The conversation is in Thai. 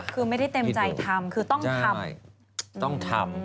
คือไม่ได้เต็มใจทำคือต้องทำต้องทำ